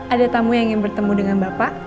ada tamu yang ingin bertemu dengan bapak